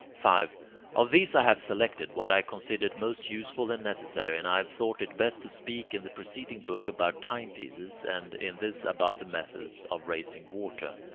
5. Of these I have selected what I considered most useful and necessary, and have thought it best to speak in the preceding book about timepieces, and in this about the methods of raising water.